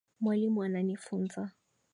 Mwalimu ananifunza.